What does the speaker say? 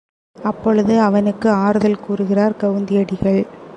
அப்பொழுது அவனுக்கு ஆறுதல் கூறுகிறார் கவுந்தி அடிகள்.